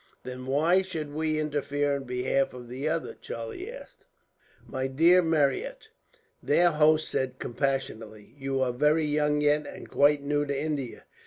"Then why should we interfere on behalf of the other?" Charlie asked. "My dear Marryat," their host said compassionately, "you are very young yet, and quite new to India.